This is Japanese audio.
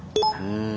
うん。